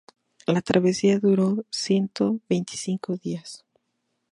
La travesía duró ciento veinticinco días.